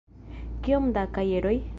Kiom da kajeroj?